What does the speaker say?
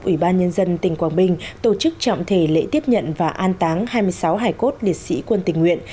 ủy ban nhân dân tỉnh quảng bình tổ chức trọng thể lễ tiếp nhận và an táng hai mươi sáu hải cốt liệt sĩ quân tình nguyện